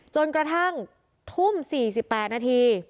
จนกระทั่งทุ่ม๔๘นาที